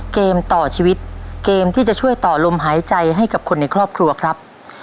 เกมต่อชีวิตเกมที่จะช่วยต่อลมหายใจให้กับคนในครอบครัวครับ